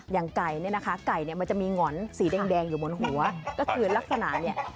อย่างไก่เนี่ยนะคะไก่เนี่ยมันจะมีหง่อนสีแดงอยู่บนหัวก็คือลักษณะเนี่ย